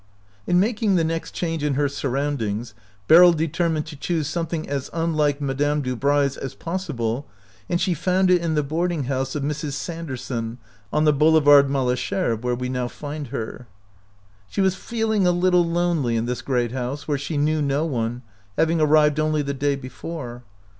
In making the next change in her sur roundings Beryl determined to choose some thing as unlike Madame Dubray's as possi ble, and she found it in the boarding house of Mrs. Sanderson on the Boulevard Male sherbes, where we now find her. She was feeling a little lonely in this great house, where she knew no one, having arrived only the day before.